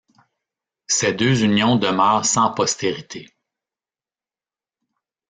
Ses deux unions demeurent sans postérité.